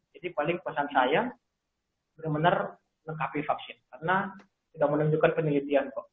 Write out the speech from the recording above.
jadi paling puasan saya benar benar lengkapi vaksin karena sudah menunjukkan penelitian kok